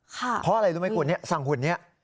เพราะอะไรรู้ไหมคุณสั่งหุ่นนี้